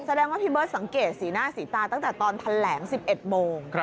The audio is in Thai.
แสดงว่าพี่เบิร์ตสังเกตสีหน้าสีตาตั้งแต่ตอนแถลง๑๑โมง